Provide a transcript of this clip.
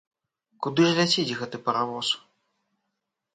Куды ж ляціць гэты паравоз?